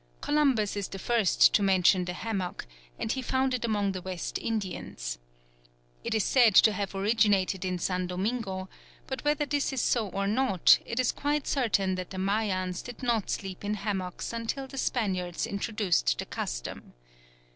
Columbus is the first to mention the hammock, and he found it among the West Indians. It is said to have originated in San Domingo; but whether this is so or not, it is quite certain that the Mayans did not sleep in hammocks until the Spaniards introduced the custom.